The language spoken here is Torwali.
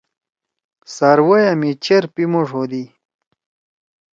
څاروئیا می چیر پیِمُوݜ ہودی۔